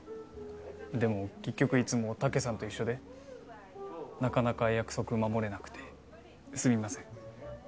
でも結局いつもタケさんと一緒でなかなか約束守れなくてすみません。